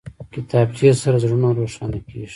کتابچه سره زړونه روښانه کېږي